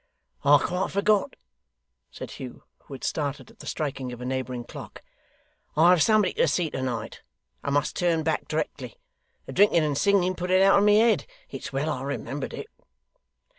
'I quite forgot,' said Hugh, who had started at the striking of a neighbouring clock. 'I have somebody to see to night I must turn back directly. The drinking and singing put it out of my head. It's well I remembered it!